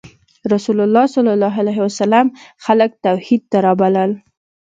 رسول الله ﷺ خلک توحید ته رابلل.